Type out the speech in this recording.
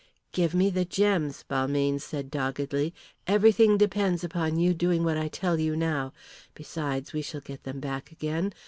"Give me the gems," Balmayne said doggedly. "Everything depends upon you doing what I tell you now. Besides, we shall get them back again.